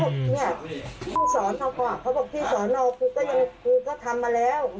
พี่สอนเอาค่ะเขาบอกพี่สอนเอาครูก็ทำมาแล้ว